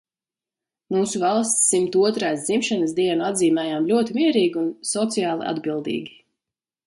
Mūsu valsts simt otrās dzimšanas dienu atzīmējām ļoti mierīgi un sociāli atbildīgi.